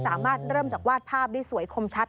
สามารถเริ่มจากวาดภาพได้สวยคมชัด